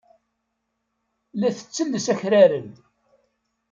La tettelles akraren.